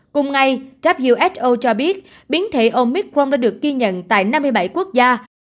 cùng ngày who cho biết biến thể omicron đã được ghi nhận tại năm mươi bảy quốc gia